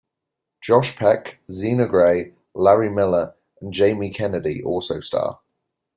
Josh Peck, Zena Grey, Larry Miller and Jamie Kennedy also star.